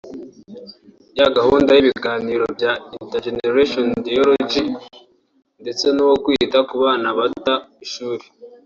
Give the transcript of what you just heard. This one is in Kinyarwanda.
ya gahunda y’ibiganiro bya Inter-generational dialogue ndetse n’uwo kwita ku bana bata ishuri